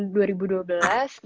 berarti udah berapa lama sih